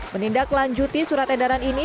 menindaklanjuti surat edaran ini